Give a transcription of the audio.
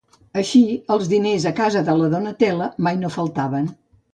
Així, els diners a casa de la Donatella mai no faltaven.